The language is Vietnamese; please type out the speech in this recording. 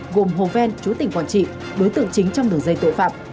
gồm hồ ven chú tỉnh quảng trị đối tượng chính trong đường dây tội phạm